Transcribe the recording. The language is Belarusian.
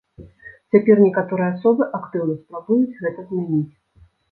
Цяпер некаторыя асобы актыўна спрабуюць гэта змяніць.